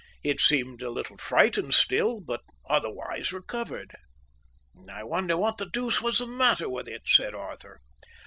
It seemed a little frightened still, but otherwise recovered. "I wonder what the deuce was the matter with it," said Arthur.